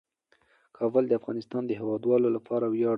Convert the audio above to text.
کابل د افغانستان د هیوادوالو لپاره ویاړ دی.